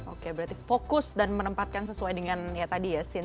oke berarti fokus dan menempatkan sesuai dengan ya tadi ya scene